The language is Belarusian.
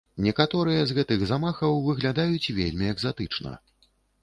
Некаторыя з гэтых замахаў выглядаюць вельмі экзатычна.